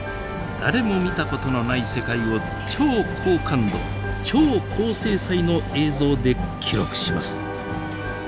誰も見たことのない世界を超高感度超高精細の映像で記録します。